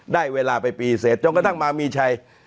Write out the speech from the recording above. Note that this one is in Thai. ได้เวลาไปปีเสร็จจนกระทั่งมามีชัย